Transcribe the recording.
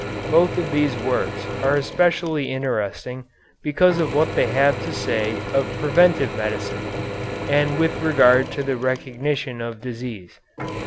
Both of these works are especially interesting because of what they have to say of preventive medicine and with regard to the recognition of disease.